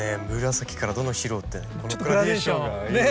紫からどんどん白ってこのグラデーションがいいですね。